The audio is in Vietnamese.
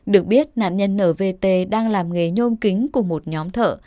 được biết nạn nhân nvt đang làm nghề nhôm kính cùng một nhóm thợ